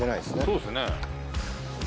そうですね